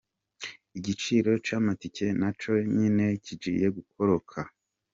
Igiciro c'amatike naco nyene kigiye gukoroka.